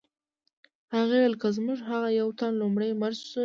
هغې وویل که زموږ څخه یو تن لومړی مړ شو نو څه